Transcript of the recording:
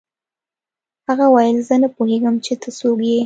هغه وویل زه نه پوهېږم چې ته څوک یې